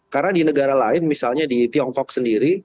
karena di negara lain misalnya di tiongkok sendiri